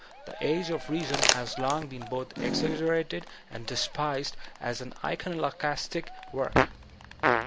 The "Age of Reason" has king been both exaggerated and despised as an icono clastic work.